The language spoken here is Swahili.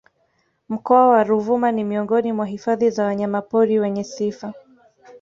Mkoa wa Ruvuma ni Miongoni mwa hifadhi za Wanyama pori wenye sifa